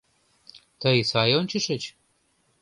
— Тый сай ончышыч?